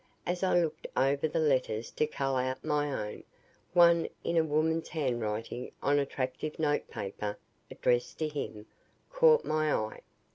As I looked over the letters to cull out my own, one in a woman's handwriting on attractive notepaper addressed to him caught my eye.